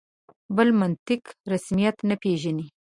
بل منطق رسمیت نه پېژني.